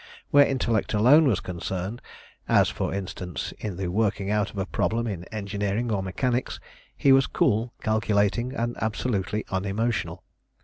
Where intellect alone was concerned as, for instance, in the working out of a problem in engineering or mechanics he was cool, calculating, and absolutely unemotional.